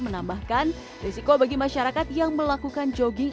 menambahkan risiko bagi masyarakat yang melakukan jogging